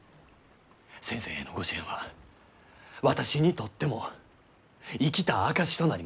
先生へのご支援は私にとっても生きた証しとなります。